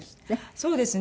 そうですね。